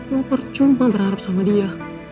mau percuma berharap sama dia